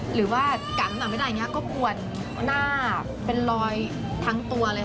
หรือว่ากันไม่ได้ก็ปวนหน้าเป็นรอยทั้งตัวเลยค่ะ